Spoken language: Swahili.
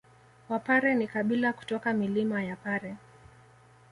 Wapare ni kabila kutoka milima ya Pare